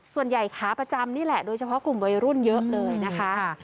ขาประจำนี่แหละโดยเฉพาะกลุ่มวัยรุ่นเยอะเลยนะคะ